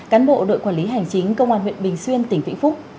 cán bộ đội quản lý hành chính công an huyện bình xuyên tỉnh vĩnh phúc